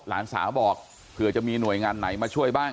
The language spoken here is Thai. หลานสาวบอกเผื่อจะมีหน่วยงานไหนมาช่วยบ้าง